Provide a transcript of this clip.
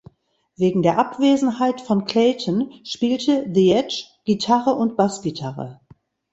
Wegen der Abwesenheit von Clayton spielte The Edge Gitarre und Bassgitarre.